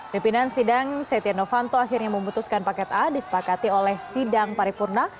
pimpinan sidang setia novanto akhirnya memutuskan paket a disepakati oleh sidang paripurna